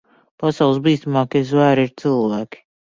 Pasaules bīstamākie zvēri ir cilvēki.